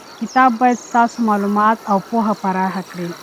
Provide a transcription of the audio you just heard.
کتاب باید ستاسو معلومات او پوهه پراخه کړي.